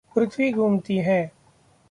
पृथ्वी घूमती है।